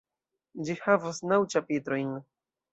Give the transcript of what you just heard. Ĝi havas naŭ ĉapitrojn.